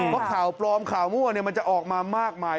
เพราะข่าวปลอมข่าวมั่วมันจะออกมามากมาย